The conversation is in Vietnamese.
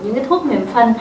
những cái thuốc mềm phân